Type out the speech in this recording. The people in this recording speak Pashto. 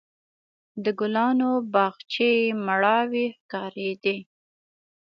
د ګلانو باغچې مړاوې ښکارېدې.